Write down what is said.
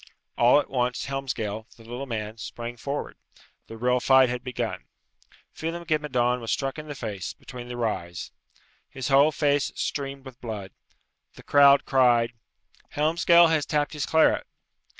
All at once, Helmsgail, the little man, sprang forward. The real fight had begun. Phelem ghe Madone was struck in the face, between the Ryes. His whole face streamed with blood. The crowd cried, "Helmsgail has tapped his claret!"